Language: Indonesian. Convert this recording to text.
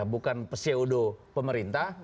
bukan pseudo pemerintah